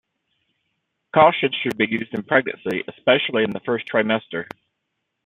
Caution should be used in pregnancy, especially in the first trimester.